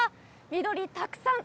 緑たくさん！